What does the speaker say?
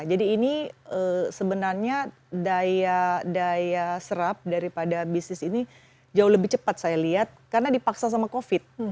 jadi ini sebenarnya daya serap daripada bisnis ini jauh lebih cepat saya lihat karena dipaksa sama covid